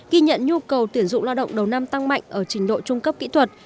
ghi nhận nhu cầu tuyển dụng lao động đầu năm tăng mạnh ở trình độ trung cấp kỹ thuật